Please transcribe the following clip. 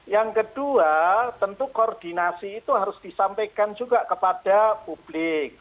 yang kedua tentu koordinasi itu harus disampaikan juga kepada publik